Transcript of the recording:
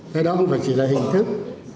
thế đó không phải chỉ là hình thức